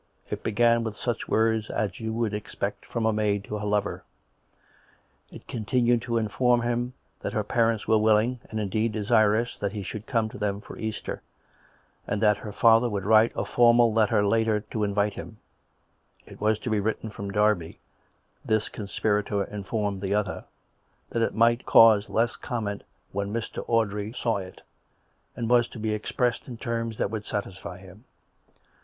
It began with such words as 3^ou would expect from a maid to her lover; it continued to inform him that her parents were willing, and, indeed, desirous, that he should come to them for Easter, and that her father would write a formal letter later to invite him; it was to be written from Derby, (this conspirator informed the other), that it might cause less comment when ]\Ir. Audrey saw it, and was to be expressed in terms that would satisfy him.